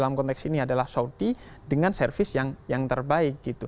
dalam konteks ini adalah saudi dengan servis yang terbaik gitu